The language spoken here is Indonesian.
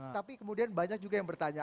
tapi kemudian banyak juga yang bertanya